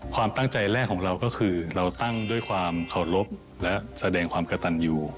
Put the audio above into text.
ความตั้งใจแรกของเราก็คือเราตั้งด้วยความเคารพและแสดงความกระตันอยู่